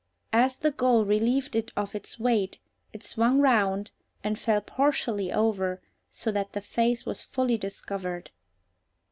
As the gull relieved it of its weight, it swung round and fell partially over, so that the face was fully discovered.